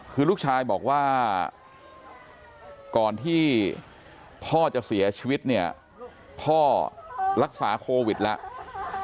คือลูกชายบอกว่าก่อนที่พ่อจะเสียชีวิตเนี่ยพ่อรักษาโควิดแล้ว